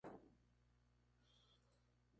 Combina los criterios estrictos y colectivistas.